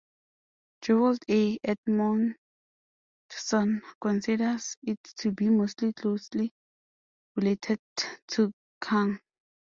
Jerold A. Edmondson considers it to be most closely related to Khang.